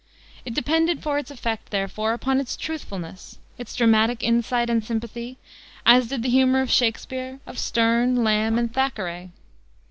It depended for its effect, therefore, upon its truthfulness, its dramatic insight and sympathy, as did the humor of Shakspere, of Sterne, Lamb, and Thackeray.